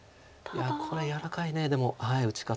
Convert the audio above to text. いやこれは柔らかいでも打ち方。